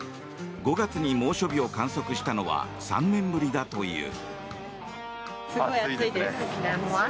５月に猛暑日を観測したのは３年ぶりだという。